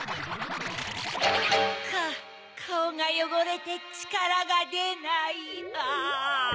カオがよごれてちからがでないあぁ。